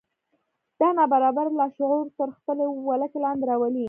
دا ناببره لاشعور تر خپلې ولکې لاندې راولي